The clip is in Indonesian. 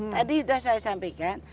tadi sudah saya sampaikan